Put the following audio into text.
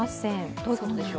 どういうことなんでしょう。